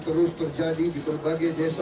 terus ini rakan agama di s tiga